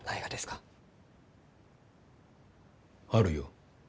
あるよ。